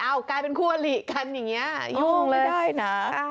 อ้าวกลายเป็นคู่อาหรี่กันอย่างเงี้ยย่อมเลยไม่ได้นะ